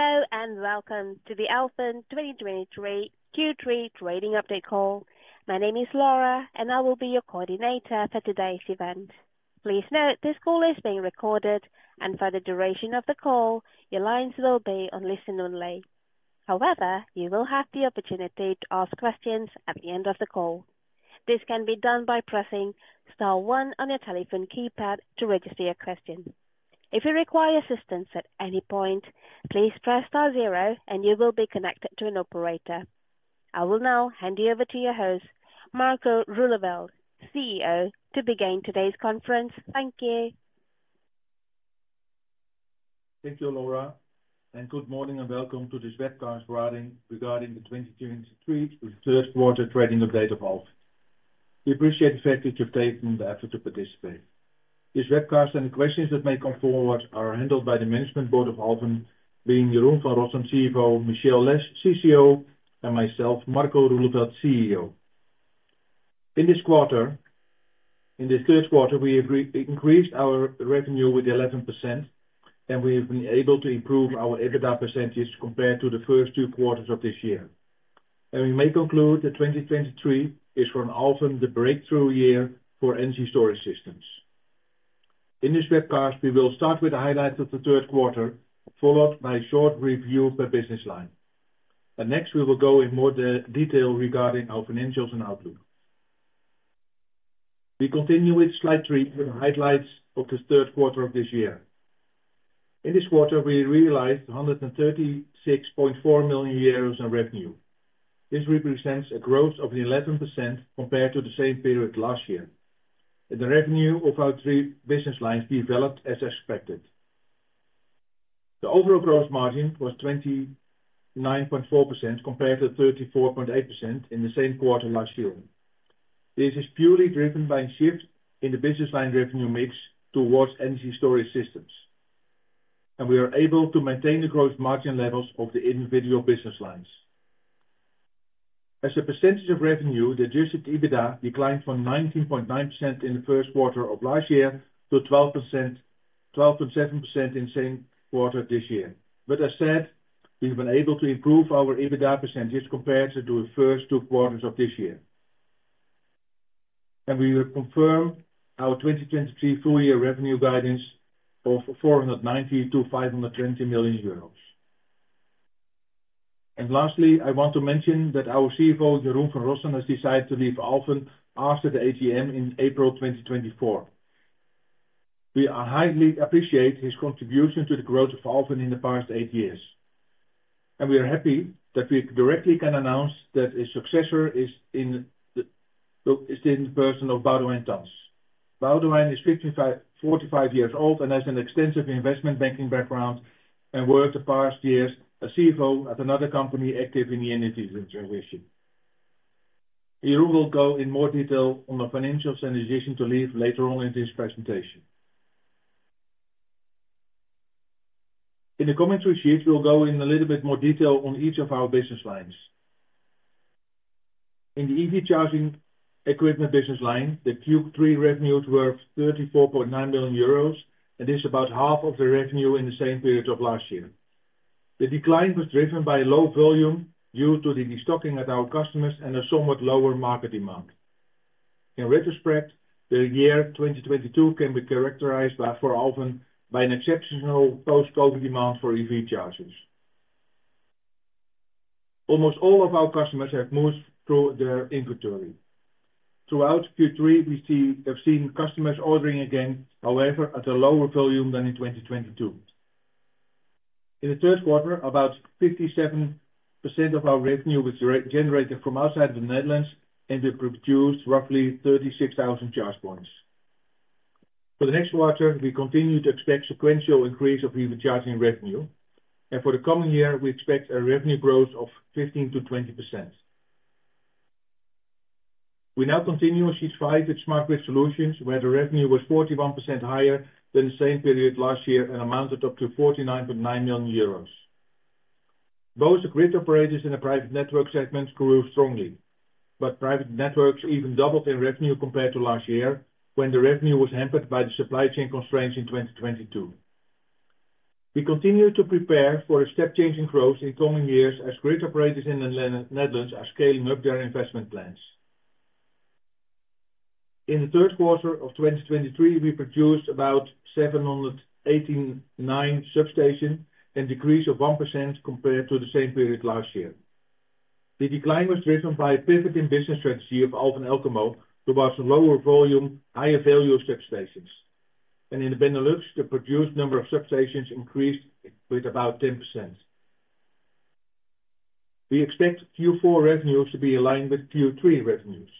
Hello, and welcome to the Alfen 2023 Q3 trading update call. My name is Laura, and I will be your coordinator for today's event. Please note, this call is being recorded, and for the duration of the call, your lines will be on listen-only. However, you will have the opportunity to ask questions at the end of the call. This can be done by pressing star one on your telephone keypad to register your question. If you require assistance at any point, please press star zero and you will be connected to an operator. I will now hand you over to your host, Marco Roeleveld, CEO, to begin today's conference. Thank you. Thank you, Laura, and good morning and welcome to this webcast regarding the 2023 third quarter trading update of Alfen. We appreciate the fact that you've taken the effort to participate. This webcast and questions that may come forward are handled by the management board of Alfen, being Jeroen van Rossen, CFO, Michelle Lesh, CCO, and myself, Marco Roeleveld, CEO. In this third quarter, we increased our revenue with 11%, and we've been able to improve our EBITDA percentage compared to the first two quarters of this year. We may conclude that 2023 is for Alfen, the breakthrough year for energy storage systems. In this webcast, we will start with the highlights of the third quarter, followed by a short review per business line. Next, we will go in more detail regarding our financials and outlook. We continue with slide 3, with the highlights of this third quarter of this year. In this quarter, we realized 136.4 million euros in revenue. This represents a growth of 11% compared to the same period last year, and the revenue of our three business lines developed as expected. The overall gross margin was 29.4%, compared to 34.8% in the same quarter last year. This is purely driven by a shift in the business line revenue mix towards energy storage systems, and we are able to maintain the gross margin levels of the individual business lines. As a percentage of revenue, the Adjusted EBITDA declined from 19.9% in the first quarter of last year to 12%–12.7% in the same quarter this year. But as said, we've been able to improve our EBITDA percentage compared to the first two quarters of this year. And we will confirm our 2023 full year revenue guidance of 490 million-520 million euros. And lastly, I want to mention that our CFO, Jeroen van Rossen, has decided to leave Alfen after the AGM in April 2024. We highly appreciate his contribution to the growth of Alfen in the past 8 years, and we are happy that we directly can announce that his successor is in the, is in the person of Boudewijn Tans. Boudewijn is 55, 45 years old and has an extensive investment banking background, and worked the past years as CFO at another company active in the energy transition. Jeroen will go in more detail on the financials and decision to leave later on in this presentation. In the commentary sheets, we'll go in a little bit more detail on each of our business lines. In the EV charging equipment business line, the Q3 revenues were 34.9 million euros, and is about half of the revenue in the same period of last year. The decline was driven by low volume due to the destocking at our customers and a somewhat lower market demand. In retrospect, the year 2022 can be characterized by, for Alfen, by an exceptional post-COVID demand for EV chargers. Almost all of our customers have moved through their inventory. Throughout Q3, we've seen customers ordering again, however, at a lower volume than in 2022. In the third quarter, about 57% of our revenue was generated from outside the Netherlands, and we produced roughly 36,000 charge points. For the next quarter, we continue to expect sequential increase of EV charging revenue, and for the coming year, we expect a revenue growth of 15%-20%. We now continue on sheet five, with smart grid solutions, where the revenue was 41% higher than the same period last year and amounted up to 49.9 million euros. Both the grid operators and the private network segments grew strongly, but private networks even doubled in revenue compared to last year, when the revenue was hampered by the supply chain constraints in 2022. We continue to prepare for a step change in growth in coming years as grid operators in the Netherlands are scaling up their investment plans. In the third quarter of 2023, we produced about 789 substations, a decrease of 1% compared to the same period last year. The decline was driven by a pivot in business strategy of Alfen Elkamo towards lower volume, higher value substations. In the Benelux, the produced number of substations increased with about 10%. We expect Q4 revenues to be in line with Q3 revenues,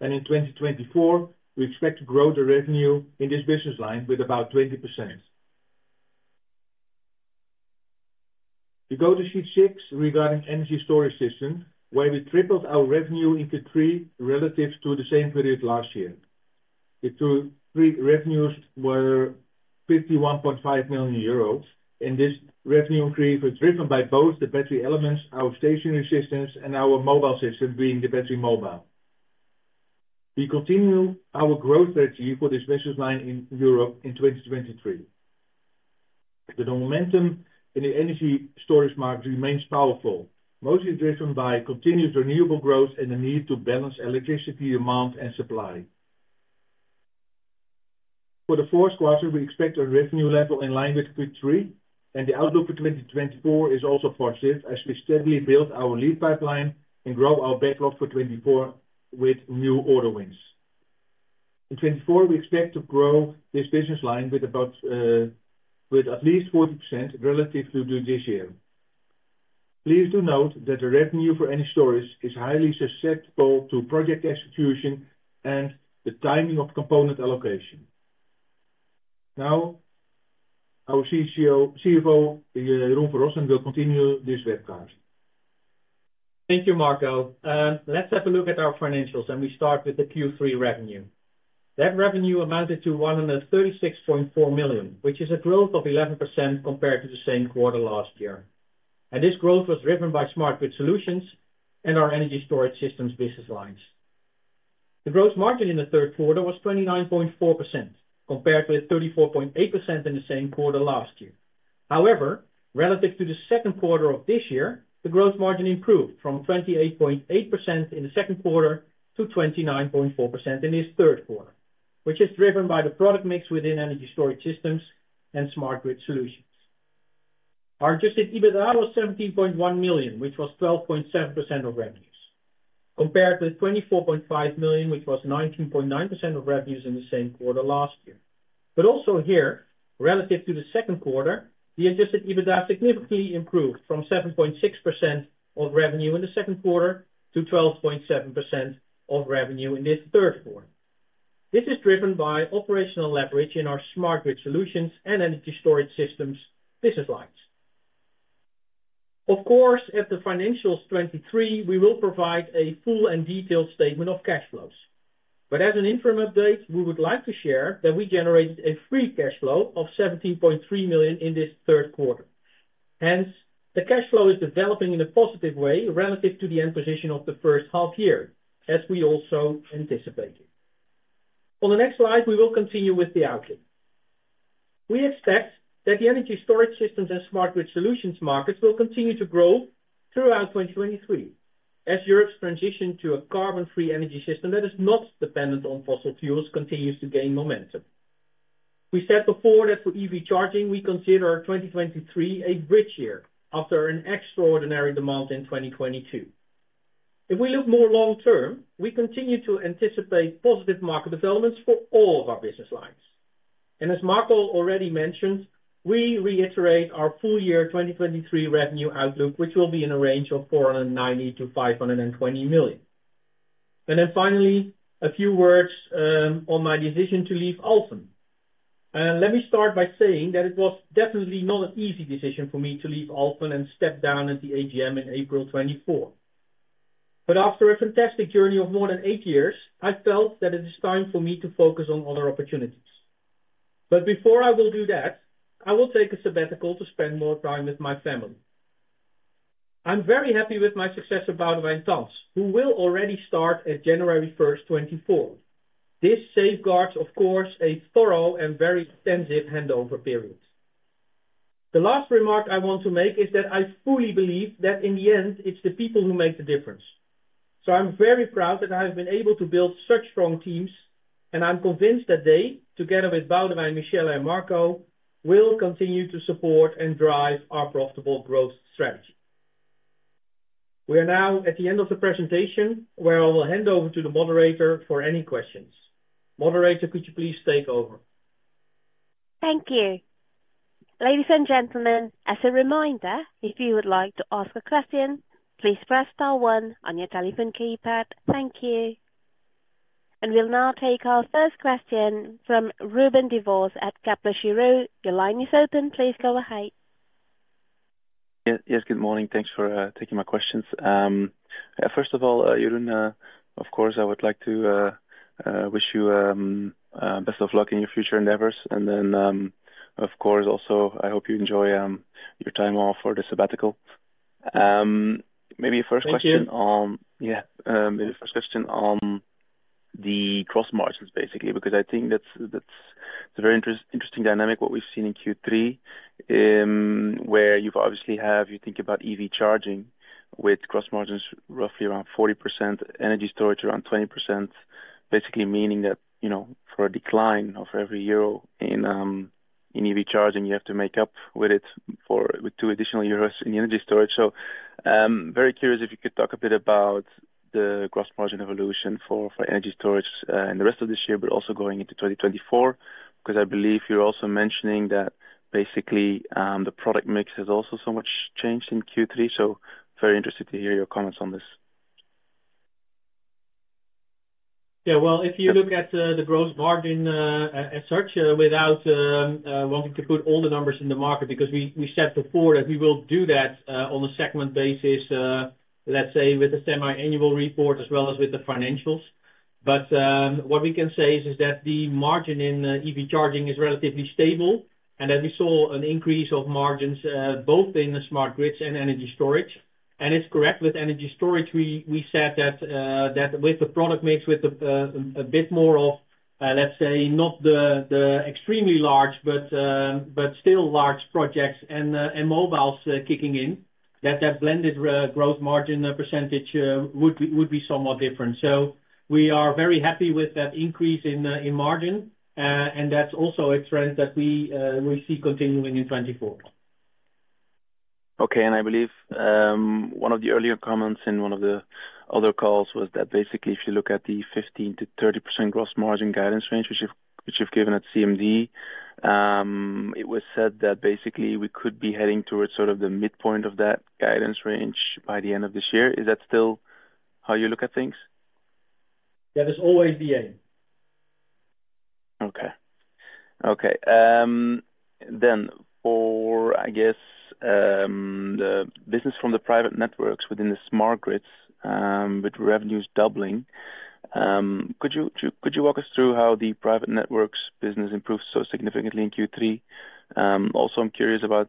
and in 2024, we expect to grow the revenue in this business line with about 20%. We go to sheet six, regarding energy storage systems, where we tripled our revenue in Q3 relative to the same period last year. The Q3 revenues were 51.5 million euros, and this revenue increase was driven by both TheBattery Elements, our stationary systems, and our mobile system, being TheBattery Mobile. We continue our growth strategy for this business line in Europe in 2023. The momentum in the energy storage market remains powerful, mostly driven by continuous renewable growth and the need to balance electricity demand and supply. For the fourth quarter, we expect a revenue level in line with Q3, and the outlook for 2024 is also positive as we steadily build our lead pipeline and grow our backlog for 2024 with new order wins. In 2024, we expect to grow this business line with about, with at least 40% relative to this year. Please do note that the revenue for energy storage is highly susceptible to project execution and the timing of component allocation. Now, our CCO-- CFO, Jeroen van Rossen, will continue this webcast. Thank you, Marco. Let's have a look at our financials, and we start with the Q3 revenue. That revenue amounted to 136.4 million, which is a growth of 11% compared to the same quarter last year. And this growth was driven by smart grid solutions and our energy storage systems business lines. The gross margin in the third quarter was 29.4%, compared with 34.8% in the same quarter last year. However, relative to the second quarter of this year, the gross margin improved from 28.8% in the second quarter to 29.4% in this third quarter, which is driven by the product mix within energy storage systems and smart grid solutions. Our adjusted EBITDA was 17.1 million, which was 12.7% of revenues, compared with 24.5 million, which was 19.9% of revenues in the same quarter last year. But also here, relative to the second quarter, the adjusted EBITDA significantly improved from 7.6% of revenue in the second quarter to 12.7% of revenue in this third quarter. This is driven by operational leverage in our smart grid solutions and energy storage systems business lines. Of course, at the financials 2023, we will provide a full and detailed statement of cash flows. But as an interim update, we would like to share that we generated a free cash flow of 17.3 million in this third quarter. Hence, the cash flow is developing in a positive way relative to the end position of the first half year, as we also anticipated. On the next slide, we will continue with the outlook. We expect that the energy storage systems and smart grid solutions markets will continue to grow throughout 2023, as Europe's transition to a carbon-free energy system that is not dependent on fossil fuels continues to gain momentum. We said before that for EV charging, we consider 2023 a bridge year after an extraordinary demand in 2022. If we look more long term, we continue to anticipate positive market developments for all of our business lines. And as Marco already mentioned, we reiterate our full year 2023 revenue outlook, which will be in a range of 490 million-520 million. Then finally, a few words on my decision to leave Alfen. Let me start by saying that it was definitely not an easy decision for me to leave Alfen and step down at the AGM in April 2024. But after a fantastic journey of more than 8 years, I felt that it is time for me to focus on other opportunities. But before I will do that, I will take a sabbatical to spend more time with my family. I'm very happy with my successor, Boudewijn Tans, who will already start at January 1, 2024. This safeguards, of course, a thorough and very extensive handover period. The last remark I want to make is that I fully believe that in the end, it's the people who make the difference. So I'm very proud that I have been able to build such strong teams, and I'm convinced that they, together with Boudewijn, Michelle, and Marco, will continue to support and drive our profitable growth strategy. We are now at the end of the presentation, where I will hand over to the moderator for any questions. Moderator, could you please take over? Thank you. Ladies and gentlemen, as a reminder, if you would like to ask a question, please press star one on your telephone keypad. Thank you. And we'll now take our first question from Ruben Devos at Kepler Cheuvreux. Your line is open. Please go ahead. Yes, yes, good morning. Thanks for taking my questions. First of all, Jeroen, of course, I would like to wish you best of luck in your future endeavors. And then, of course, also, I hope you enjoy your time off for the sabbatical. Maybe first question on- Thank you. Yeah, maybe first question on the gross margins, basically, because I think that's, that's a very interesting dynamic, what we've seen in Q3, where you've obviously have, you think about EV charging with gross margins roughly around 40%, energy storage around 20%, basically meaning that, you know, for a decline of every EUR in EV charging, you have to make up for it with two additional EUR in energy storage. So, very curious if you could talk a bit about the gross margin evolution for energy storage in the rest of this year, but also going into 2024, because I believe you're also mentioning that basically, the product mix has also so much changed in Q3. So very interested to hear your comments on this. Yeah, well, if you look at the gross margin as such, without wanting to put all the numbers in the market, because we said before that we will do that on a segment basis, let's say, with the semi-annual report as well as with the financials. But what we can say is that the margin in EV charging is relatively stable, and that we saw an increase of margins both in the smart grids and energy storage.... And it's correct, with energy storage, we said that with the product mix, with a bit more of, let's say, not the extremely large, but still large projects and mobiles kicking in, that blended gross margin percentage would be somewhat different. So we are very happy with that increase in margin, and that's also a trend that we see continuing in 2024. Okay. And I believe, one of the earlier comments in one of the other calls was that basically if you look at the 15%-30% gross margin guidance range, which you've given at CMD, it was said that basically we could be heading towards sort of the midpoint of that guidance range by the end of this year. Is that still how you look at things? That is always the aim. Okay. Okay, then for, I guess, the business from the private networks within the smart grids, with revenues doubling, could you walk us through how the private networks business improved so significantly in Q3? Also, I'm curious about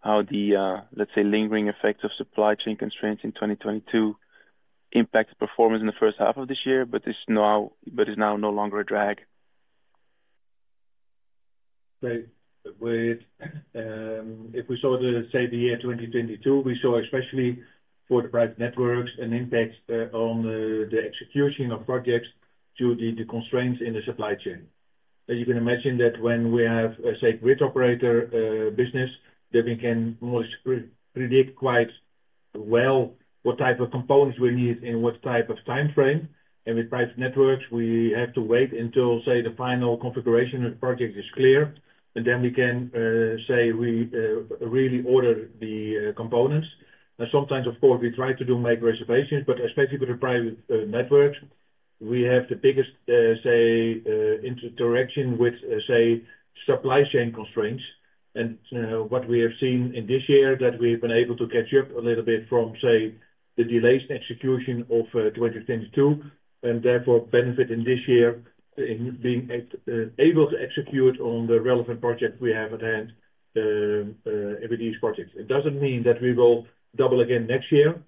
how the, let's say, lingering effects of supply chain constraints in 2022 impacted performance in the first half of this year, but it's now no longer a drag. Right. With, if we saw the, say, the year 2022, we saw, especially for the private networks, an impact on the execution of projects due to the constraints in the supply chain. As you can imagine, that when we have a, say, grid operator business, then we can almost pre-predict quite well what type of components we need in what type of time frame. And with private networks, we have to wait until, say, the final configuration of the project is clear, and then we can, say we really order the components. And sometimes, of course, we try to make reservations, but especially with the private network, we have the biggest, say, interaction with, say, supply chain constraints. What we have seen in this year, that we've been able to catch up a little bit from, say, the delayed execution of 2022, and therefore benefit in this year in being able to execute on the relevant projects we have at hand, every these projects. It doesn't mean that we will double again next year.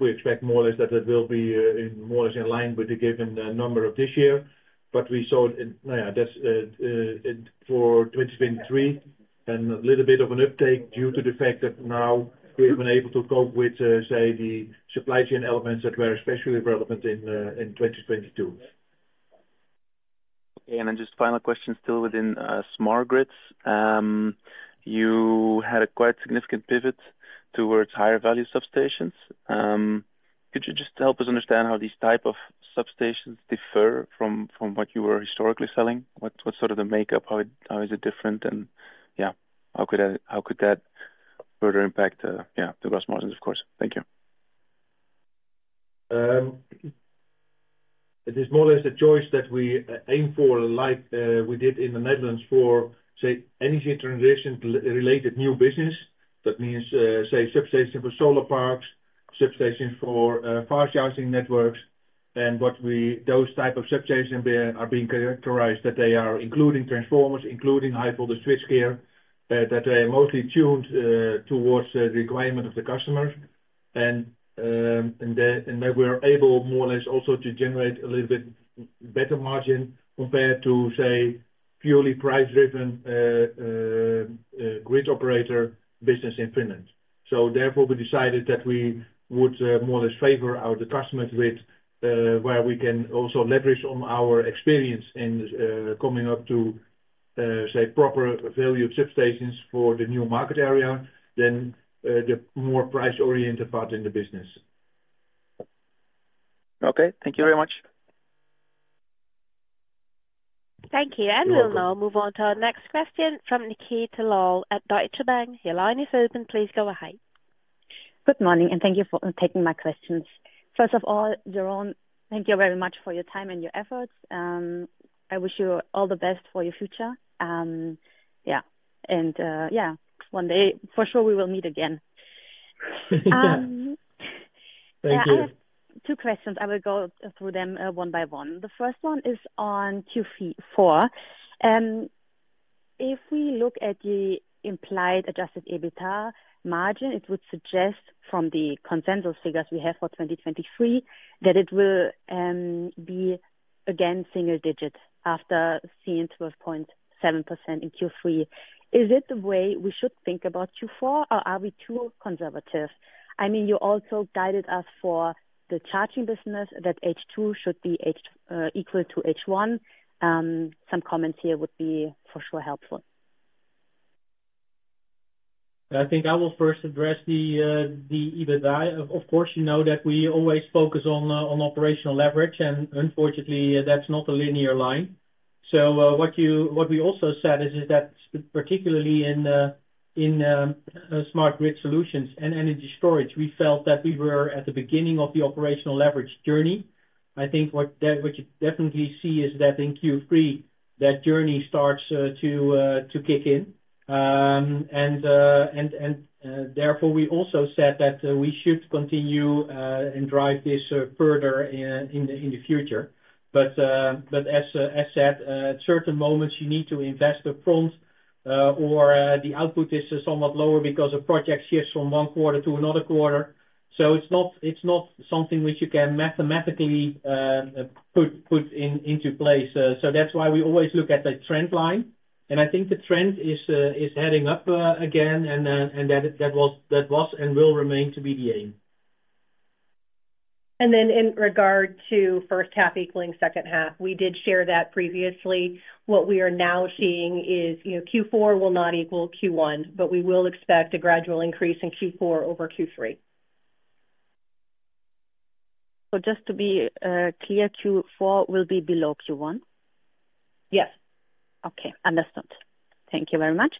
We expect more or less that it will be more or less in line with the given number of this year. But we saw in, that's it for 2023, and a little bit of an uptake due to the fact that now we've been able to cope with, say, the supply chain elements that were especially relevant in, in 2022. Okay. And then just final question, still within smart grids. You had a quite significant pivot towards higher value substations. Could you just help us understand how these type of substations differ from what you were historically selling? What's sort of the makeup? How is it different? And yeah, how could that further impact the gross margins, of course. Thank you. It is more or less a choice that we aim for, like, we did in the Netherlands for, say, energy transition-related new business. That means, say, substation for solar parks, substation for fast charging networks. And what we... Those type of substation, they are being characterized, that they are including transformers, including high voltage switchgear, that are mostly tuned towards the requirement of the customers. And, and they were able, more or less, also to generate a little bit better margin compared to, say, purely price-driven grid operator business in Finland. So therefore, we decided that we would, more or less favor our customers with, where we can also leverage on our experience in, coming up to, say, proper value substations for the new market area, then, the more price-oriented part in the business. Okay, thank you very much. Thank you. You're welcome. We'll now move on to our next question from Nikita Lal at Deutsche Bank. Your line is open. Please go ahead. Good morning, and thank you for taking my questions. First of all, Jeroen, thank you very much for your time and your efforts. I wish you all the best for your future. Yeah, one day, for sure, we will meet again. Thank you. I have two questions. I will go through them one by one. The first one is on Q4. If we look at the implied Adjusted EBITDA margin, it would suggest from the consensus figures we have for 2023, that it will be again single digit after seeing 12.7% in Q3. Is it the way we should think about Q4, or are we too conservative? I mean, you also guided us for the charging business that H2 should be H equal to H1. Some comments here would be for sure helpful. I think I will first address the EBITDA. Of course, you know that we always focus on operational leverage, and unfortunately, that's not a linear line. So, what we also said is that particularly in smart grid solutions and energy storage, we felt that we were at the beginning of the operational leverage journey. I think what you definitely see is that in Q3, that journey starts to kick in. And therefore, we also said that we should continue and drive this further in the future. But as said, at certain moments, you need to invest up front, or the output is somewhat lower because a project shifts from one quarter to another quarter. So it's not something which you can mathematically put into place. So that's why we always look at the trend line, and I think the trend is heading up again, and that was and will remain to be the aim. And then in regard to first half equaling second half, we did share that previously. What we are now seeing is, you know, Q4 will not equal Q1, but we will expect a gradual increase in Q4 over Q3. So just to be clear, Q4 will be below Q1? Yes. Okay. Understood. Thank you very much.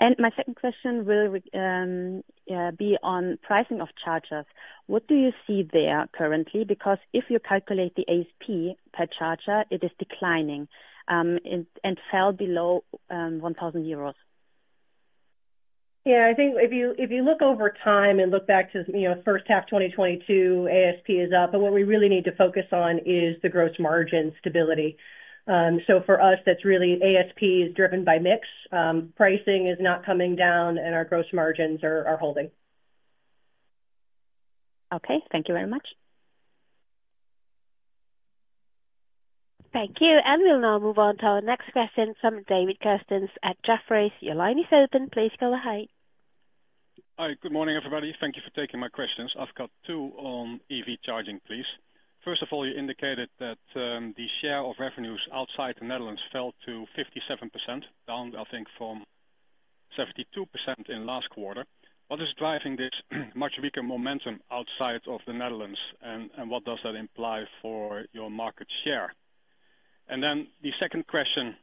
My second question will be on pricing of chargers. What do you see there currently? Because if you calculate the ASP per charger, it is declining, and fell below 1,000 euros. Yeah, I think if you, if you look over time and look back to, you know, first half 2022, ASP is up, but what we really need to focus on is the gross margin stability. So for us, that's really ASP is driven by mix. Pricing is not coming down and our gross margins are, are holding. Okay, thank you very much. Thank you. We'll now move on to our next question from David Kerstens at Jefferies. Your line is open. Please go ahead. Hi, good morning, everybody. Thank you for taking my questions. I've got two on EV charging, please. First of all, you indicated that the share of revenues outside the Netherlands fell to 57%, down, I think, from 72% in last quarter. What is driving this much weaker momentum outside of the Netherlands, and what does that imply for your market share? Then the second question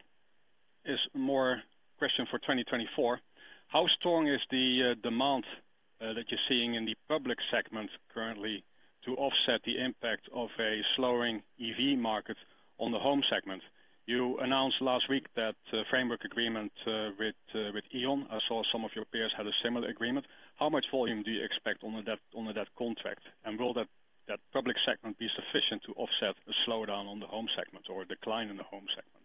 is more for 2024: How strong is the demand that you're seeing in the public segment currently to offset the impact of a slowing EV market on the home segment? You announced last week that framework agreement with E.ON. I saw some of your peers had a similar agreement. How much volume do you expect under that contract? Will that public segment be sufficient to offset a slowdown on the home segment or a decline in the home segment?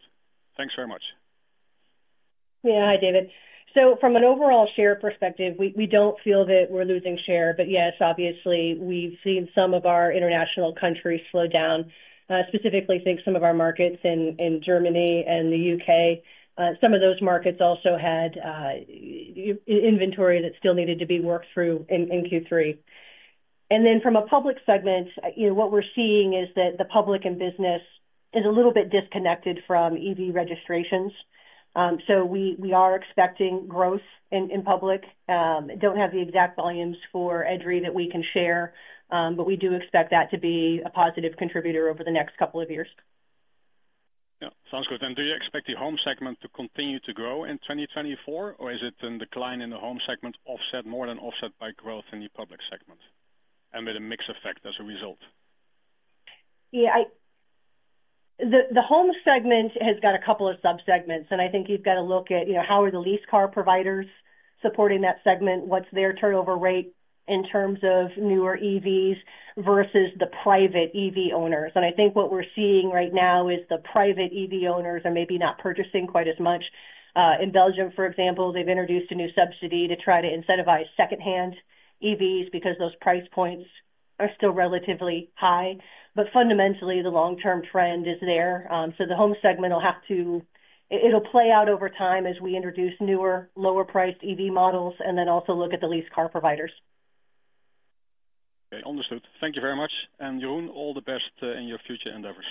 Thanks very much. Yeah. Hi, David. So from an overall share perspective, we don't feel that we're losing share, but yes, obviously, we've seen some of our international countries slow down, specifically, I think some of our markets in Germany and the U.K. Some of those markets also had inventory that still needed to be worked through in Q3. And then from a public segment, you know, what we're seeing is that the public and business is a little bit disconnected from EV registrations. So we are expecting growth in public. Don't have the exact volumes for EDRI that we can share, but we do expect that to be a positive contributor over the next couple of years. Yeah, sounds good. Do you expect the home segment to continue to grow in 2024, or is it a decline in the home segment offset—more than offset by growth in the public segment and with a mix effect as a result? Yeah, the home segment has got a couple of subsegments, and I think you've got to look at, you know, how are the lease car providers supporting that segment? What's their turnover rate in terms of newer EVs versus the private EV owners? And I think what we're seeing right now is the private EV owners are maybe not purchasing quite as much. In Belgium, for example, they've introduced a new subsidy to try to incentivize second-hand EVs because those price points are still relatively high. But fundamentally, the long-term trend is there. So the home segment will have to... It'll play out over time as we introduce newer, lower-priced EV models and then also look at the lease car providers. Okay, understood. Thank you very much. Jeroen, all the best in your future endeavors.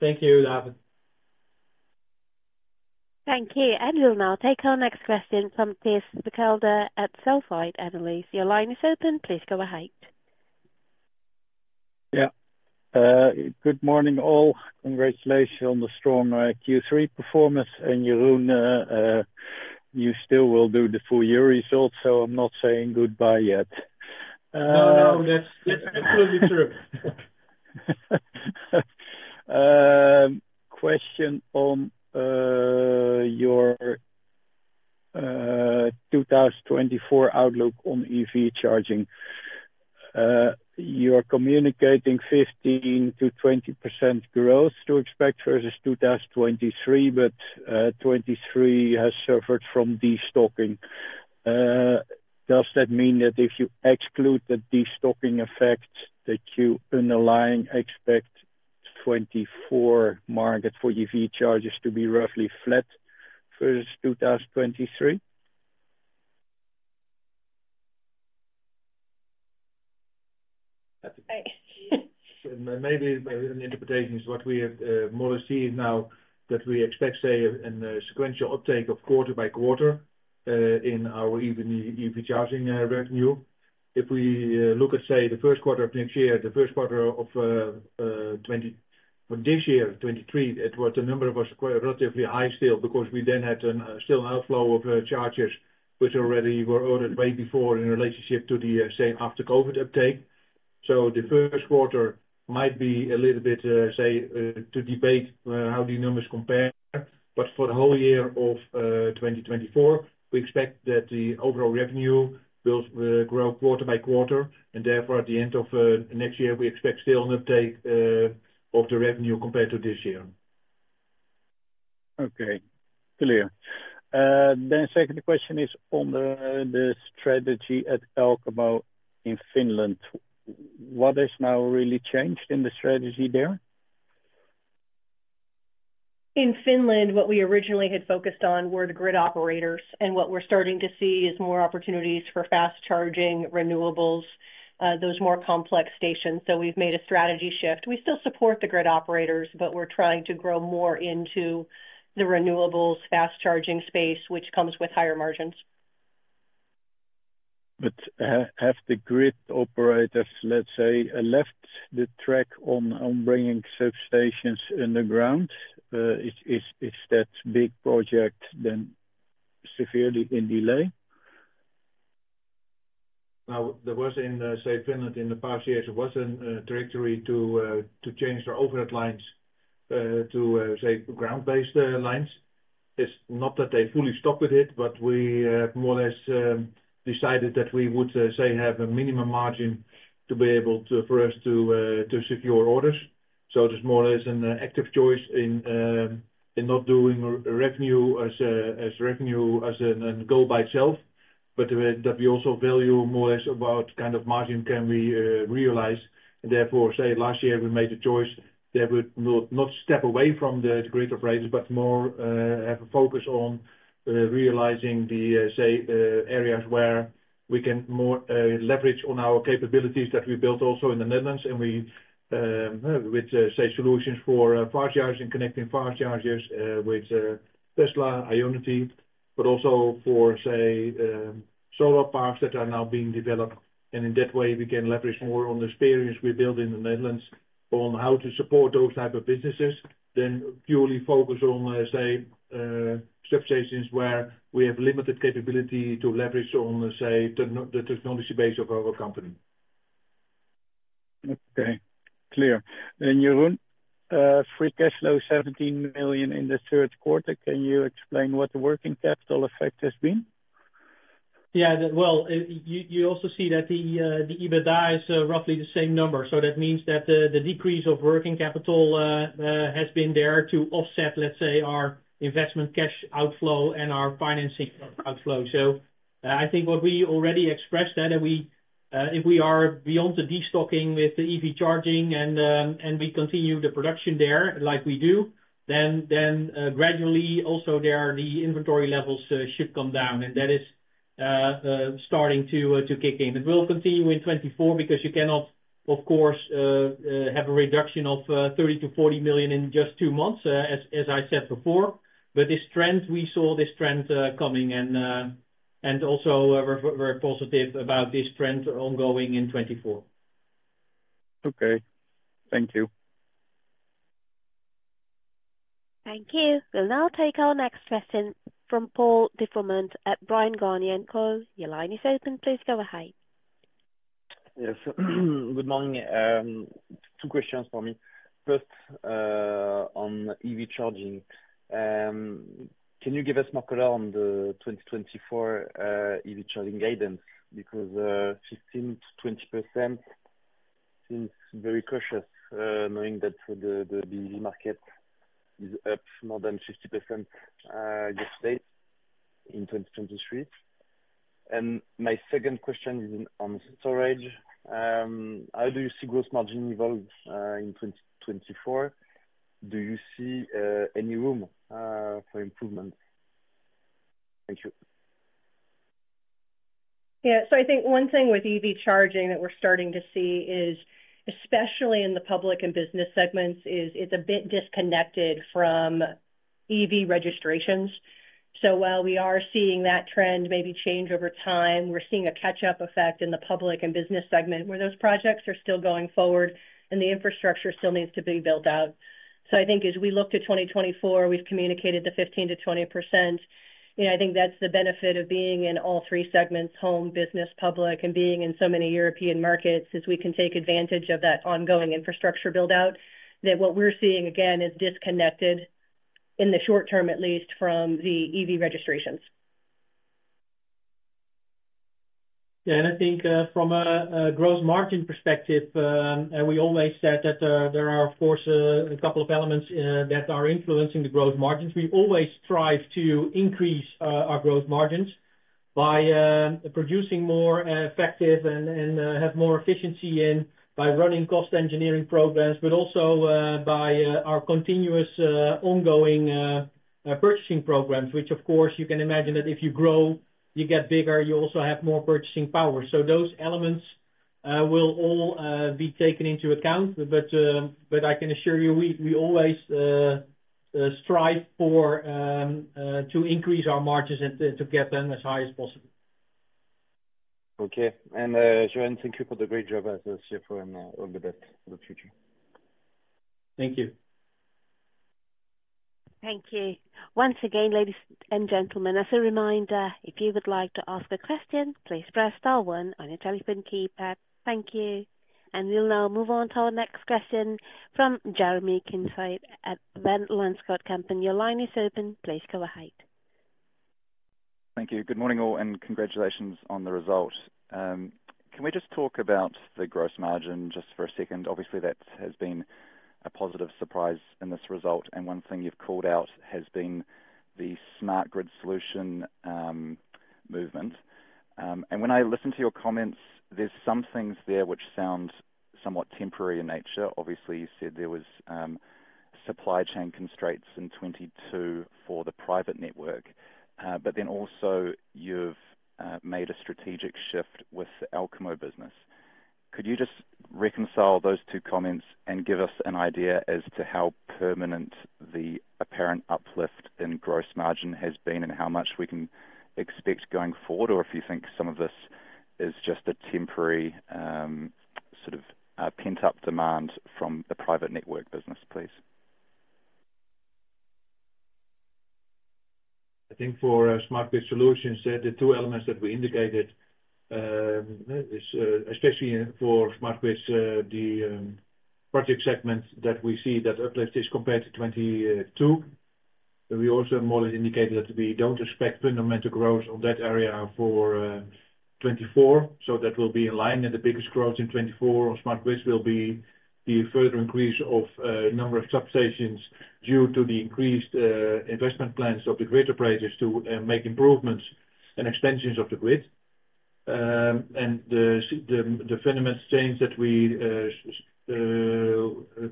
Thank you, David. Thank you. And we'll now take our next question from Thijs Berkelder at ABN AMRO ODDO BHF. Your line is open. Please go ahead. Yeah. Good morning, all. Congratulations on the strong Q3 performance. And, Jeroen, you still will do the full year results, so I'm not saying goodbye yet. No, no, that's, that's absolutely true. Question on your 2024 outlook on EV charging. You are communicating 15%-20% growth to expect versus 2023, but 2023 has suffered from destocking. Does that mean that if you exclude the destocking effects, that you underlying expect 2024 market for EV charges to be roughly flat versus 2023? Maybe my interpretation is what we have or see now that we expect, say, a sequential uptake quarter by quarter in our EV charging revenue. If we look at, say, the first quarter of next year, the first quarter of 2023, it was the number was quite relatively high still because we then had a still outflow of chargers, which already were ordered way before in relationship to the, say, after COVID uptake. So the first quarter might be a little bit, say, to debate how the numbers compare. For the whole year of 2024, we expect that the overall revenue will grow quarter by quarter, and therefore, at the end of next year, we expect still an uptake of the revenue compared to this year.... Okay, clear. Then second question is on the strategy at Elkamo in Finland. What has now really changed in the strategy there? In Finland, what we originally had focused on were the grid operators, and what we're starting to see is more opportunities for fast charging renewables, those more complex stations. So we've made a strategy shift. We still support the grid operators, but we're trying to grow more into the renewables fast charging space, which comes with higher margins. But have the grid operators, let's say, left the track on bringing substations in the ground? Is that big project then severely in delay? Now, there was in, say, Finland in the past years, there was a directive to, to change their overhead lines, to, say, ground-based lines. It's not that they fully stopped with it, but we, more or less, decided that we would, say, have a minimum margin to be able to, for us to, to secure orders. So it is more or less an active choice in, in not doing revenue as a- as revenue, as a, a goal by itself, but that we also value more or less about kind of margin can we, realize. And therefore, say, last year we made a choice that would not, not step away from the grid operators, but more, have a focus on, realizing the, say, areas where we can more, leverage on our capabilities that we built also in the Netherlands, and we, with, say, solutions for, fast charging, connecting fast chargers, with, Tesla, Ionity, but also for, say, solar parks that are now being developed. And in that way, we can leverage more on the experience we built in the Netherlands on how to support those type of businesses than purely focus on, let's say, substations, where we have limited capability to leverage on, let's say, the technology base of our company. Okay, clear. Then Jeroen, free cash flow, 17 million in the third quarter. Can you explain what the working capital effect has been? Yeah, well, you also see that the EBITDA is roughly the same number. So that means that the decrease of working capital has been there to offset, let's say, our investment cash outflow and our financing outflow. So, I think what we already expressed that we if we are beyond the destocking with the EV charging and we continue the production there like we do, then gradually also there are the inventory levels should come down, and that is starting to kick in. It will continue in 2024 because you cannot, of course, have a reduction of 30 million-40 million in just two months, as I said before. But this trend, we saw this trend coming and also we're, we're positive about this trend ongoing in 2024. Okay. Thank you. Thank you. We'll now take our next question from Paul de Froment at Bryan, Garnier & Co., your line is open. Please go ahead. Yes. Good morning. Two questions for me. First, on EV charging, can you give us more color on the 2024, EV charging guidance? Because, 15%-20% seems very cautious, knowing that the, the EV market is up more than 50%, year to date in 2023. My second question is on storage. How do you see gross margin evolve, in 2024? Do you see, any room, for improvement? Thank you. Yeah. So I think one thing with EV charging that we're starting to see is, especially in the public and business segments, is it's a bit disconnected from EV registrations. So while we are seeing that trend maybe change over time, we're seeing a catch-up effect in the public and business segment, where those projects are still going forward and the infrastructure still needs to be built out. So I think as we look to 2024, we've communicated the 15%-20%. You know, I think that's the benefit of being in all three segments: home, business, public, and being in so many European markets, is we can take advantage of that ongoing infrastructure build-out. That what we're seeing, again, is disconnected in the short term, at least from the EV registrations. Yeah, and I think, from a growth margin perspective, and we always said that there are of course a couple of elements that are influencing the growth margins. We always strive to increase our growth margins by producing more effective and have more efficiency and by running cost engineering programs, but also by our continuous ongoing purchasing programs, which of course you can imagine that if you grow, you get bigger, you also have more purchasing power. So those elements will all be taken into account, but I can assure you, we always strive for to increase our margins and to get them as high as possible. Okay. And, Jeroen, thank you for the great job as a CFO, and all the best for the future. Thank you. Thank you. Once again, ladies and gentlemen, as a reminder, if you would like to ask a question, please press star one on your telephone keypad. Thank you. We'll now move on to our next question from Jeremy Kincaid at Van Lanschot Kempen. Your line is open. Please go ahead. Thank you. Good morning, all, and congratulations on the result. Can we just talk about the gross margin just for a second? Obviously, that has been a positive surprise in this result, and one thing you've called out has been the smart grid solution movement. And when I listen to your comments, there's some things there which sound somewhat temporary in nature. Obviously, you said there was supply chain constraints in 2022 for the private network, but then also you've made a strategic shift with the Elkamo business. Could you just reconcile those two comments and give us an idea as to how permanent the apparent uplift in gross margin has been and how much we can expect going forward? Or if you think some of this is just a temporary sort of pent-up demand from the private network business, please. I think for our smart grid solutions, the two elements that we indicated is especially for smart grid, the project segments that we see that uplift is compared to 2022. We also more indicated that we don't expect fundamental growth on that area for 2024, so that will be in line. And the biggest growth in 2024 on smart grid will be the further increase of number of substations due to the increased investment plans of the grid operators to make improvements and extensions of the grid. And the fundamental change that we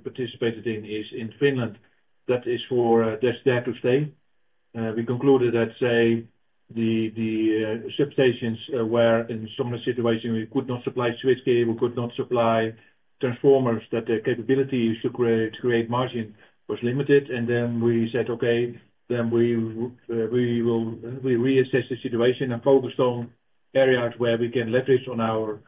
participated in is in Finland. That is for there to stay. We concluded that the substations were in so many situations we could not supply switchgear, we could not supply transformers, that the capability to create margin was limited. Then we said, "Okay, then we will reassess the situation and focus on areas where we can leverage on our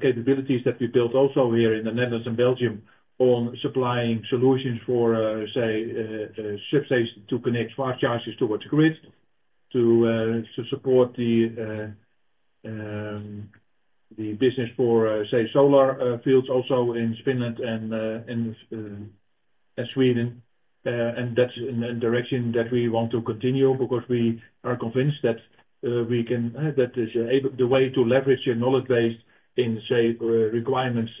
capabilities that we built also here in the Netherlands and Belgium, on supplying solutions for substation to connect fast chargers towards grid, to support the business for solar fields also in Finland and in Sweden." And that's a direction that we want to continue because we are convinced that we can... That is the way to leverage your knowledge base in, say, requirements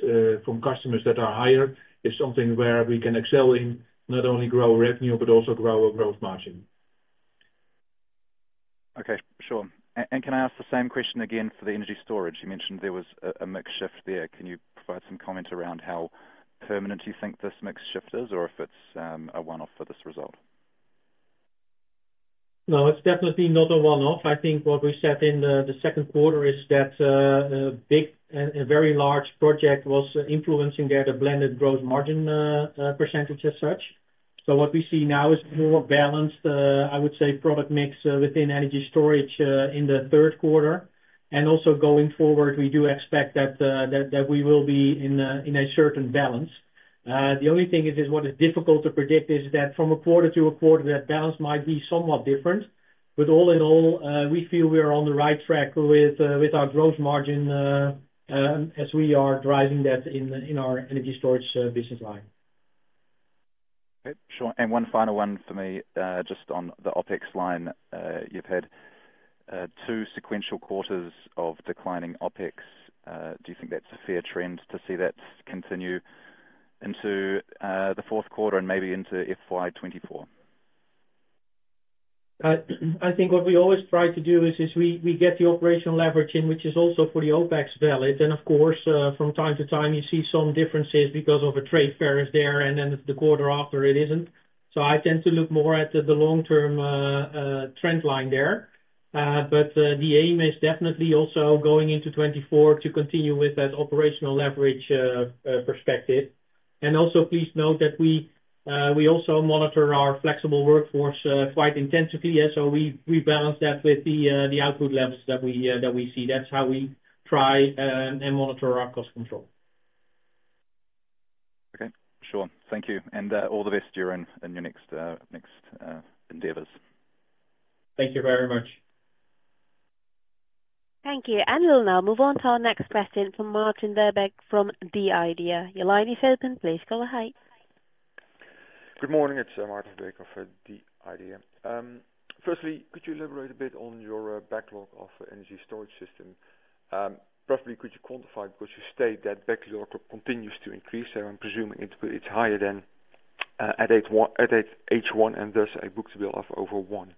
from customers that are higher, is something where we can excel in, not only grow revenue, but also grow our gross margin. Okay, sure. And can I ask the same question again for the energy storage? You mentioned there was a mix shift there. Can you provide some comment around how permanent you think this mix shift is, or if it's a one-off for this result? No, it's definitely not a one-off. I think what we said in the second quarter is that a big and a very large project was influencing there the blended gross margin percentage as such. So what we see now is more balanced, I would say product mix, within Energy Storage, in the third quarter. And also going forward, we do expect that we will be in a certain balance. The only thing is what is difficult to predict is that from a quarter to a quarter, that balance might be somewhat different. But all in all, we feel we are on the right track with our Gross margin as we are driving that in our Energy Storage business line. Okay, sure. One final one for me, just on the OpEx line. You've had two sequential quarters of declining OpEx. Do you think that's a fair trend to see that continue into the fourth quarter and maybe into FY 2024? I think what we always try to do is we get the operational leverage in, which is also for the OpEx valid. Then, of course, from time to time, you see some differences because a trade fair is there, and then the quarter after, it isn't. So I tend to look more at the long-term trend line there. But the aim is definitely also going into 2024 to continue with that operational leverage perspective. And also, please note that we also monitor our flexible workforce quite intensively. Yeah, so we balance that with the output levels that we see. That's how we try and monitor our cost control. Okay, sure. Thank you. And all the best to you and in your next endeavors. Thank you very much. Thank you. And we'll now move on to our next question from Maarten Verbeek from The IDEA!. Your line is open. Please go ahead. Good morning. It's Maarten Verbeek of The IDEA!. Firstly, could you elaborate a bit on your backlog of energy storage system? Preferably, could you quantify, because you state that backlog continues to increase, and I'm presuming it's higher than at H1, and thus a book-to-bill of over one.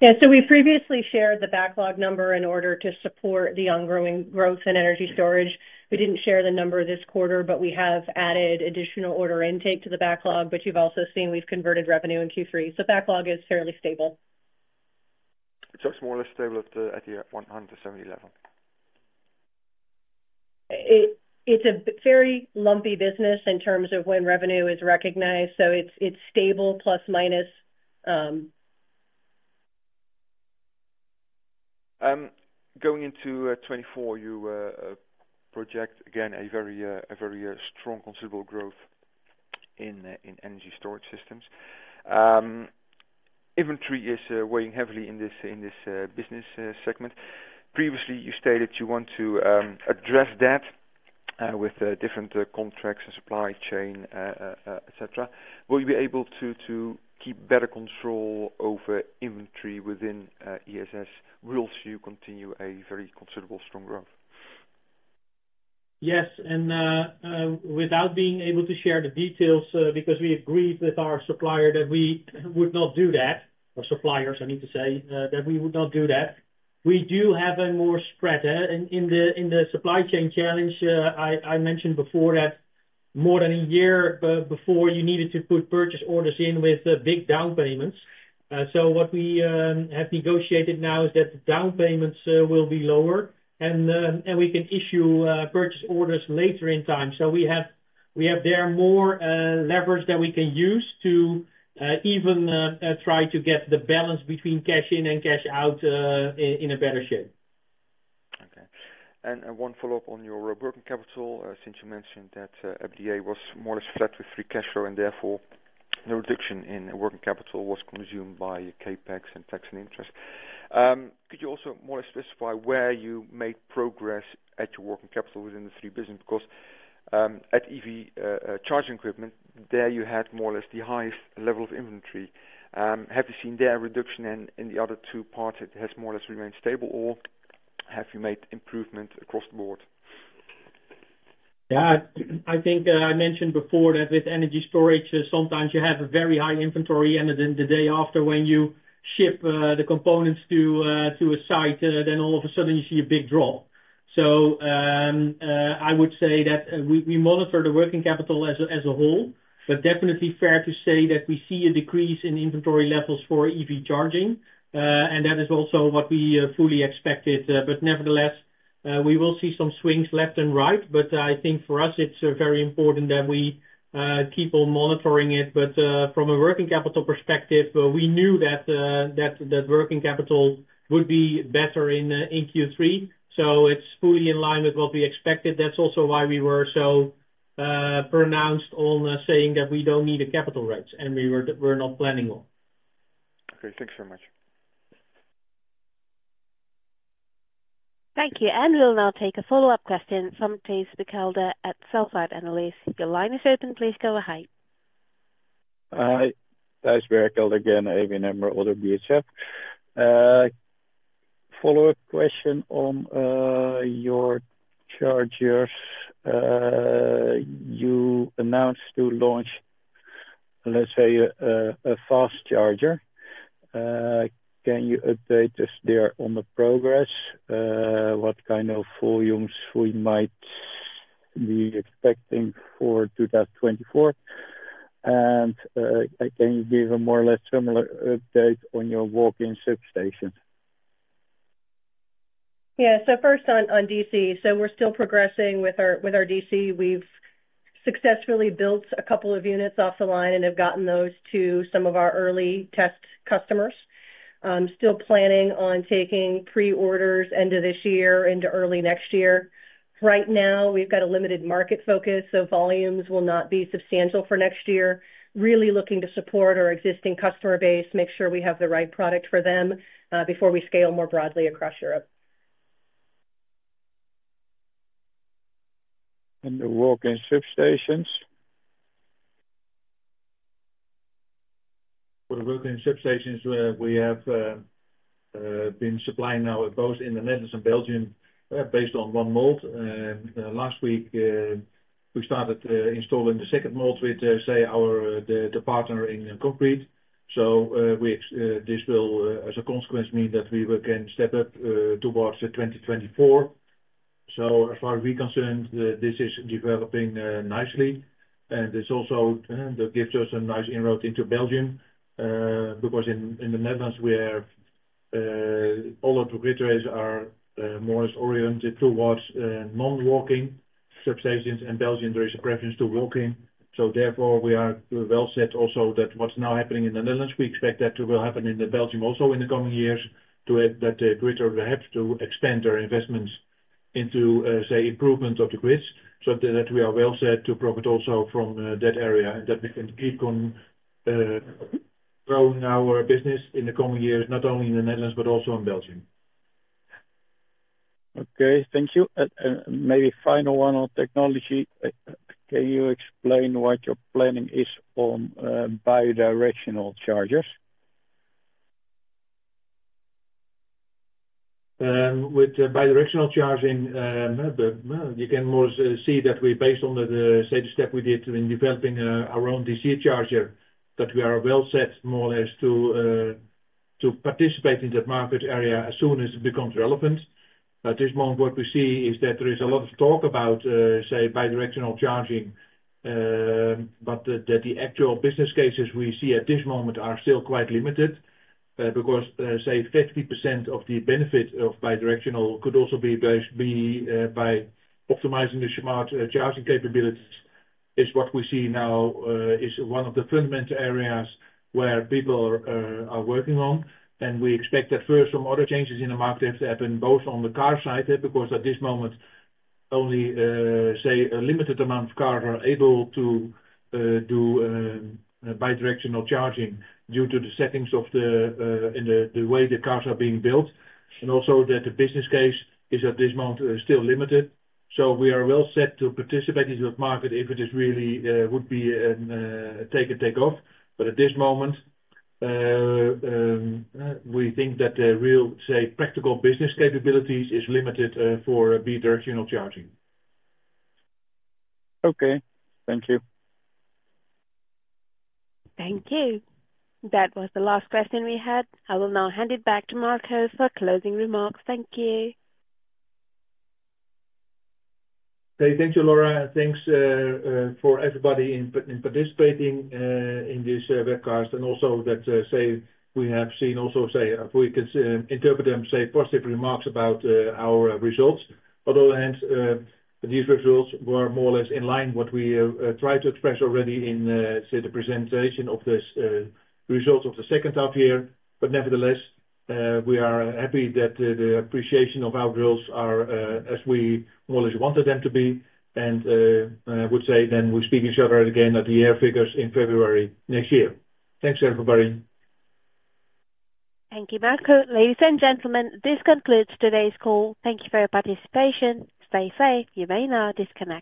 Yeah, so we previously shared the backlog number in order to support the ongoing growth in energy storage. We didn't share the number this quarter, but we have added additional order intake to the backlog, but you've also seen we've converted revenue in Q3, so backlog is fairly stable. It's more or less stable at the 170 level? It's a very lumpy business in terms of when revenue is recognized, so it's stable, plus, minus. Going into 2024, you project again a very strong, considerable growth in energy storage systems. Inventory is weighing heavily in this business segment. Previously, you stated you want to address that with the different contracts and supply chain, et cetera. Will you be able to keep better control over inventory within ESS? Will you continue a very considerable strong growth? Yes, without being able to share the details, because we agreed with our supplier that we would not do that, or suppliers, I need to say, that we would not do that. We do have a more spread in the supply chain challenge. I mentioned before that more than a year before, you needed to put purchase orders in with big down payments. So what we have negotiated now is that the down payments will be lower, and we can issue purchase orders later in time. So we have there more leverage that we can use to even try to get the balance between cash in and cash out in a better shape. Okay. And one follow-up on your working capital, since you mentioned that EBITDA was more or less flat with free cash flow, and therefore, no reduction in working capital was consumed by CapEx and tax and interest. Could you also more or less specify where you made progress at your working capital within the three business? Because at EV Charging Equipment, there you had more or less the highest level of inventory. Have you seen their reduction in the other two parts; it has more or less remained stable, or have you made improvement across the board? Yeah, I think I mentioned before that with energy storage, sometimes you have a very high inventory, and then the day after, when you ship the components to a site, then all of a sudden you see a big drop. So, I would say that we monitor the working capital as a whole, but it's definitely fair to say that we see a decrease in inventory levels for EV charging, and that is also what we fully expected. But nevertheless, we will see some swings left and right, but I think for us, it's very important that we keep on monitoring it. But from a working capital perspective, we knew that working capital would be better in Q3, so it's fully in line with what we expected. That's also why we were so pronounced on saying that we don't need a capital raise, and we were, we're not planning on. Okay, thanks so much. Thank you. We'll now take a follow-up question from Thijs Berkelder at ABN AMRO - ODDO BHF. Your line is open. Please go ahead. Thijs Berkelder again, ABN AMRO - ODDO BHF. Follow-up question on your chargers. You announced to launch, let's say, a fast charger. Can you update us there on the progress? What kind of volumes we might be expecting for 2024? And can you give a more or less similar update on your walk-in substations? Yeah, so first on DC. So we're still progressing with our DC. We've successfully built a couple of units off the line and have gotten those to some of our early test customers. Still planning on taking pre-orders end of this year into early next year. Right now, we've got a limited market focus, so volumes will not be substantial for next year. Really looking to support our existing customer base, make sure we have the right product for them, before we scale more broadly across Europe. The walk-in substations? For the walk-in substations, we have been supplying now both in the Netherlands and Belgium, based on one mold. Last week, we started installing the second mold with, say, our partner in concrete. So, this will, as a consequence, mean that we will again step up towards 2024. So as far as we're concerned, this is developing nicely, and it's also that gives us a nice inroad into Belgium, because in the Netherlands, we have all our distributors are more as oriented towards non-walk-in substations, and Belgium, there is a preference to walk-in. So therefore, we are well set also that what's now happening in the Netherlands, we expect that to will happen in Belgium also in the coming years, to have that greater have to expand our investments into, say, improvement of the grids. So that we are well set to profit also from that area, and that we can keep on growing our business in the coming years, not only in the Netherlands, but also in Belgium. Okay, thank you. Maybe final one on technology. Can you explain what your planning is on bidirectional chargers? With bidirectional charging, you can more see that we based on the, say, the step we did in developing our own DC charger, that we are well set more or less to participate in that market area as soon as it becomes relevant. But this moment, what we see is that there is a lot of talk about, say, bidirectional charging, but the actual business cases we see at this moment are still quite limited, because, say, 50% of the benefit of bidirectional could also be by, be, by optimizing the smart charging capabilities, is what we see now, is one of the fundamental areas where people are working on. We expect that first, some other changes in the market to happen, both on the car side, because at this moment, only, say, a limited amount of cars are able to do bidirectional charging due to the settings and the way the cars are being built, and also that the business case is at this moment still limited. So we are well set to participate in the market if it really would take off. But at this moment, we think that the real, say, practical business capabilities is limited for bidirectional charging. Okay, thank you. Thank you. That was the last question we had. I will now hand it back to Marco for closing remarks. Thank you. Thank you, Laura, and thanks for everybody in participating in this webcast, and also that we have seen also if we can interpret them positive remarks about our results. Other than these results were more or less in line what we tried to express already in the presentation of this results of the second half year. But nevertheless, we are happy that the appreciation of our results are as we more or less wanted them to be, and I would say then we'll speak each other again at the year figures in February next year. Thanks, everybody. Thank you, Marco. Ladies and gentlemen, this concludes today's call. Thank you for your participation. Stay safe. You may now disconnect.